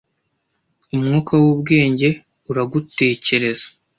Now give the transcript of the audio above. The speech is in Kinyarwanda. umwuka wubwenge uragutekereza